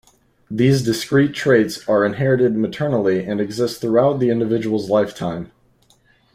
These discrete traits are inherited maternally and exist throughout the individual's lifetime.